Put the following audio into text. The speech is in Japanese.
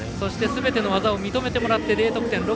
すべての技を認めてもらいＤ得点６．５。